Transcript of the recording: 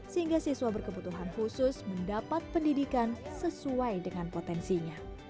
sehingga siswa berkebutuhan khusus mendapat pendidikan sesuai dengan potensinya